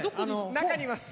中にいます。